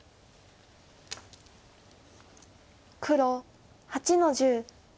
黒８の十。